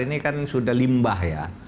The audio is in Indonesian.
ini kan sudah limbah ya